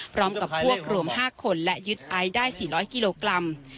พร้อมกับพวกรวม๕คนและยึดไอซ์ได้๔๐๐กิโลกรัม